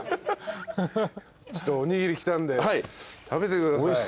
ちょっとおにぎり来たんで食べてください。